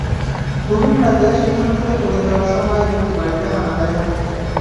গভীর রাতে সেখান থেকে চলে যাওয়ার সময় একটি বাড়িতে হানা দেয় হাতিটি।